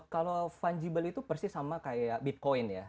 kalau fungible itu persis sama kayak bitcoin ya